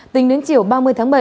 tính đến chiều ba mươi tháng bảy